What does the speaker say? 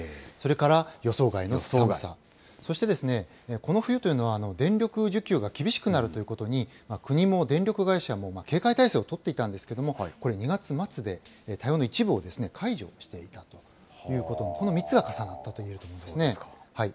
それから予想外の寒さ、そしてこの冬というのは、電力需給が厳しくなるというふうに国も電力会社も警戒態勢を取っていたんですけれども、これ、２月末で対応の一部を解除していたということ、この３つが重なったということなんですね。